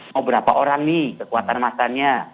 mau berapa orang nih kekuatan makannya